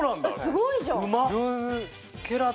すごいじゃん。